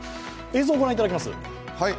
映像をご覧いただきます。